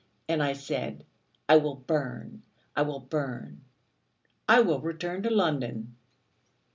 And I said: 'I will burn, I will burn: I will return to London....'